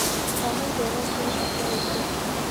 تاہم دونوں نے اپنے رشتے